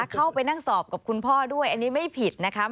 เข้าไปนั่งสอบกับคุณพ่อด้วยอันนี้ไม่ผิดนะครับ